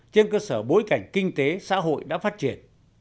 trên cơ sở bối cảnh kinh tế xã hội đã phát triển